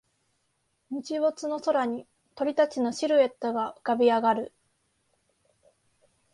日没の空に鳥たちのシルエットが浮かび上がる